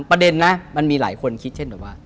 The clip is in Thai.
ประเด็นนะมันมีหลายคนคิดเช่นแบบว่า